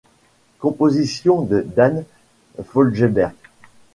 Compositions de Dan Fogelberg.